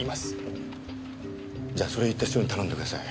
じゃあそれ言った人に頼んでください。